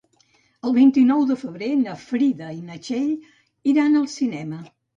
El vint-i-nou de febrer na Frida i na Txell iran al cinema.